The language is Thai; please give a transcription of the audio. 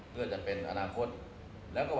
เพื่อจัดเป็นอนาคตแล้วก็วันนี้ที่จะทำดีเรื่องไม่ดี